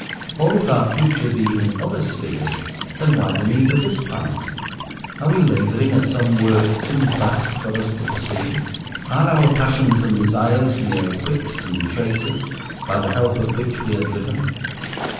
Or, if our future be in other spheres, then why the need of this planet? Are we labouring at some Work too vast for us to perceive? Are our passions and desires mere whips and traces by the help of which we are driven?